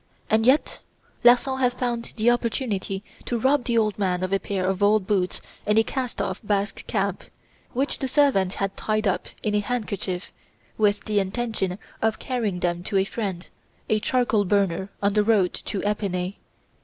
And yet Larsan had found the opportunity to rob the old man of a pair of old boots and a cast off Basque cap, which the servant had tied up in a handkerchief, with the intention of carrying them to a friend, a charcoal burner on the road to Epinay.